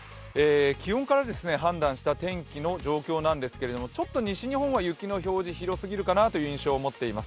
気温から判断した天気の状況なんですけれどもちょっと西日本は雪の表示広すぎるかなという印象を持っています。